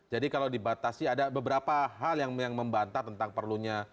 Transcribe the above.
jadi kalau dibatasi ada beberapa hal yang membantah tentang perlunya